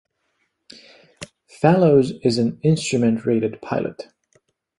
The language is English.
Fallows is an instrument-rated pilot.